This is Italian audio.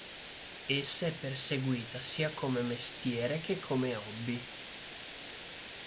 Essa è perseguita sia come mestiere che come hobby.